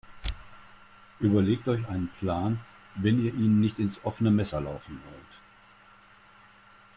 Überlegt euch einen Plan, wenn ihr ihnen nicht ins offene Messer laufen wollt.